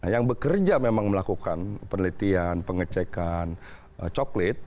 yang bekerja memang melakukan penelitian pengecekan coklit